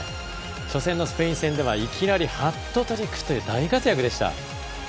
初戦のスペイン戦ではいきなりハットトリックという大活躍でした。